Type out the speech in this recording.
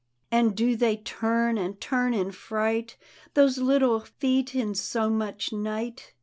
And do they turn and turn in fright. Those little feet, in so much night?